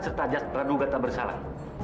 serta jas pradugata bersalah